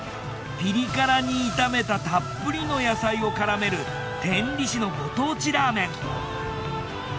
ピリ辛に炒めたたっぷりの野菜を絡める天理市のご当地ラーメン。